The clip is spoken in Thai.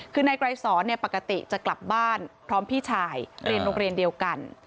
คือนายไกรสอนปกติจะกลับบ้านพร้อมพี่ชายเรียนโรงเรียนเดียวกัน